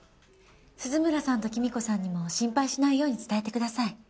鈴村さんと貴美子さんにも心配しないように伝えてください。